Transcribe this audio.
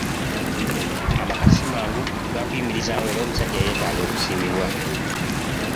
Amaka si mangu gakuyimirizaawo era omusajja yetaaga okusiimibwa.